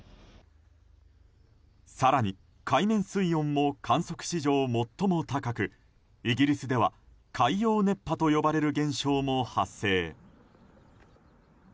更に、海面水温も観測史上最も高くイギリスでは海洋熱波と呼ばれる現象も発生。